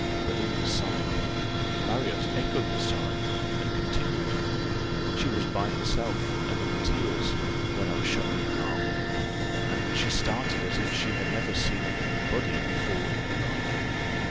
Belinda sighed Marriott echoed the sigh, and continued "She was by herself, and in tears, when I was shown in, ma'am, and she started as if she had never seen any body before in her life.